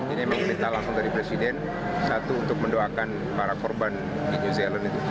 ini memang perintah langsung dari presiden satu untuk mendoakan para korban di new zealand itu